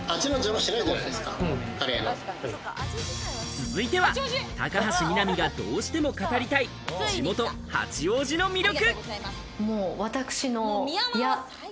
続いては、高橋みなみがどうしても語りたい、地元八王子の魅力。